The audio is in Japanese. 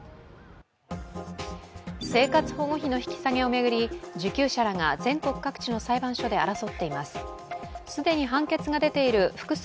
生活保護費の引き下げを巡り受給者らが全国各地の裁判所で争っています。